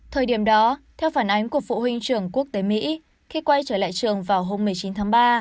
thời điểm đó theo phản ánh của phụ huynh trường quốc tế mỹ khi quay trở lại trường vào hôm một mươi chín tháng ba